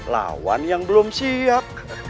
lawan yang belum siap